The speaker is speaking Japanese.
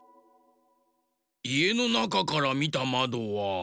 いえのなかからみたまどは？